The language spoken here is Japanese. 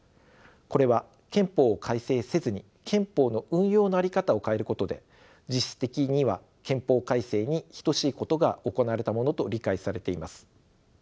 これは憲法を改正せずに憲法の運用の在り方を変えることで実質的には憲法改正に等しいことが行われたものと理解されています。